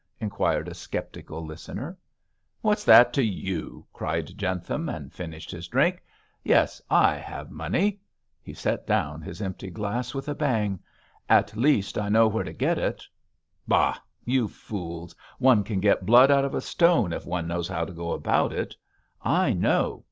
inquired a sceptical listener. 'What's that to you?' cried Jentham, and finished his drink. 'Yes, I have money!' He set down his empty glass with a bang. 'At least I know where to get it. Bah! you fools, one can get blood out of a stone if one knows how to go about it. I know!